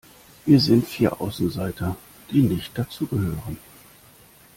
Wir sind vier Außenseiter, die nicht dazu gehören